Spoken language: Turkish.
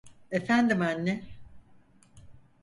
Efendim anne?